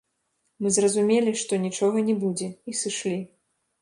Мы зразумелі, што нічога не будзе, і сышлі.